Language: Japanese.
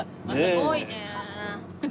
すごいね。